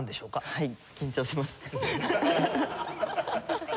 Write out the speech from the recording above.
はい。